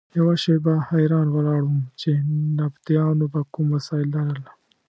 یوه شېبه حیران ولاړ وم چې نبطیانو به کوم وسایل لرل.